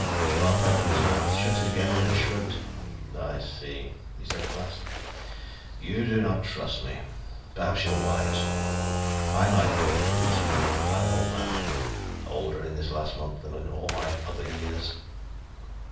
Scharpe opened his mouth, shut it again, and then shrugged. "I see," he said at last. "You do not trust me. Perhaps you are wise. I might talk foolishly; I am an old man; older, in this last month, than in all my other years."